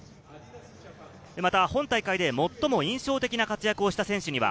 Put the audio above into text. また本大会で最も印象的な活躍をした選手には、